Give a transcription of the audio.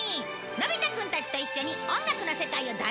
のび太くんたちと一緒に音楽の世界を大冒険するよ！